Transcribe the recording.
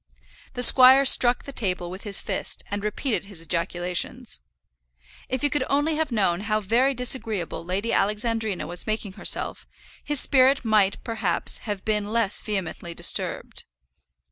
The squire struck the table with his fist, and repeated his ejaculations. If he could only have known how very disagreeable Lady Alexandrina was making herself, his spirit might, perhaps, have been less vehemently disturbed.